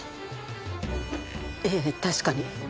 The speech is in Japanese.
ええ確かに。